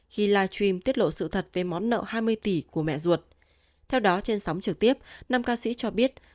khi live stream tiết lộ sự thật về món nợ hai mươi tỷ của mẹ ruột